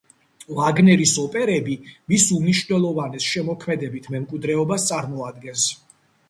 ვაგნერის ოპერები მის უმნიშვნელოვანეს შემოქმედებით მემკვიდრეობას წარმოადგენს.